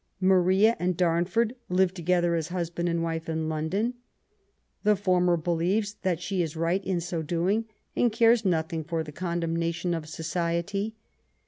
Maria and Damford live together as husband and wife in London* The former believes that she is right in so doings and cares nothing for the condemnation of society.